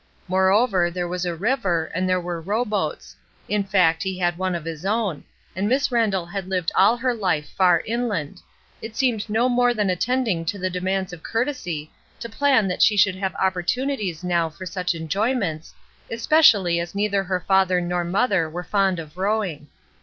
More over, there was a river, and there were row boats — in fact, he had one of his own, and Miss Randall had lived all her life far inland; it seemed no more than attending to the demands of courtesy to plan that she should have op portunities now for such enjoyments, especially as neither her father nor mother were fond of rowing.